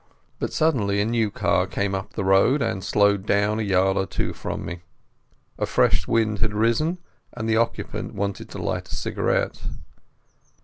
But suddenly a new car came up the road, and slowed down a yard or two from me. A fresh wind had risen, and the occupant wanted to light a cigarette.